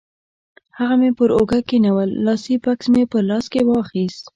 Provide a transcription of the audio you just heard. هغه مې پر اوږه کېښوول، لاسي بکس مې په لاس کې واخیست.